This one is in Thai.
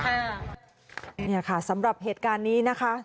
ขอบคุณมากนะครับค่ะนี่ค่ะสำหรับเหตุการณ์นี้นะคะ